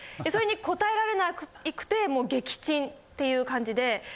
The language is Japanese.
それに答えられなくてもう撃沈っていう感じで。